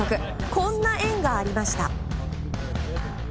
こんな縁がありました。